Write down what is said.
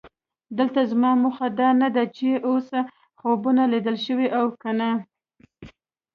دلته زما موخه دا نه ده چې داسې خوبونه لیدل شوي او که نه.